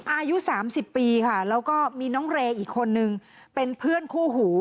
อายุ๓๐ปีค่ะแล้วก็มีน้องเรย์อีกคนนึงเป็นเพื่อนคู่หู